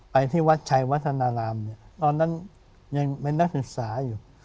ไปที่วัดชายวัฒนธรรมตอนนั้นยังเป็นนักศึกษาอยู่